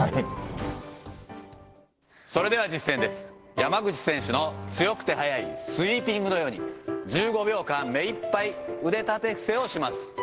山口選手の強くて速いスイーピングのように、１５秒間、目いっぱい腕立て伏せをします。